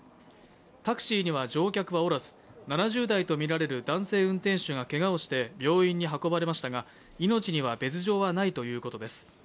タクシーに乗客はおらず７０台とみられる男性運転手がけがをして病院に運ばれましたが、命には別状はないということです。